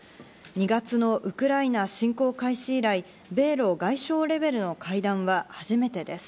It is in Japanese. ２月のウクライナ侵攻開始以来、米露外相レベルの会談は初めてです。